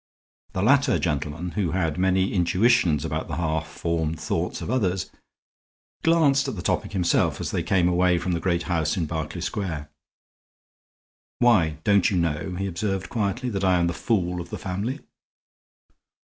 The latter gentleman, who had many intuitions about the half formed thoughts of others, glanced at the topic himself as they came away from the great house in Berkeley Square. "Why, don't you know," he observed quietly, "that I am the fool of the family?"